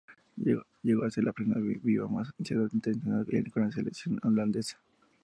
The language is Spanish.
Llegó a ser la persona viva más anciana internacional con la selección holandesa.